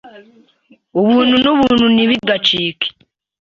Ubuntu n'ubuntu ntibigacike